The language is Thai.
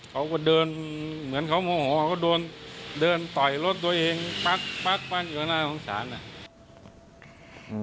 เขาก็เดินเหมือนเขาโมโหเขาเดินเดินต่อยรถตัวเองปั๊กปั๊กอยู่ข้างหน้าของศาลอ่ะ